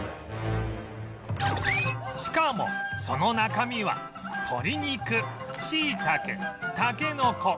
しかもその中身は鶏肉しいたけたけのこ